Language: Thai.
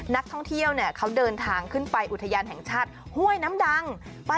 นักท่องเที่ยวเขาเดินทางขึ้นไปอุทยานแห่งชาติห้วยน้ำดัง